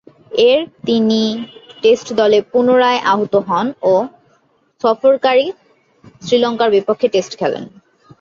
এর তিনি টেস্ট দলে পুনরায় আহুত হন ও সফরকারী শ্রীলঙ্কার বিপক্ষে টেস্ট খেলেন।